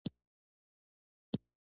د غالۍ صادرات د هېواد اقتصاد پیاوړی کوي.